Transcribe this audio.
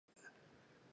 人がいーひん